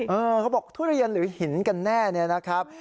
เขาบอกทุเรียนหรือหินกันแน่เนี่ยนะครับ